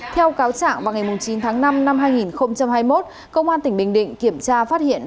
theo cáo trạng vào ngày chín tháng năm năm hai nghìn hai mươi một công an tỉnh bình định kiểm tra phát hiện